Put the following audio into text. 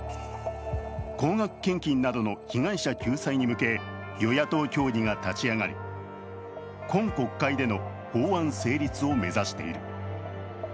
高額献金などの被害者救済に向け、与野党協議が立ち上がり、今国会での法案成立を目指している。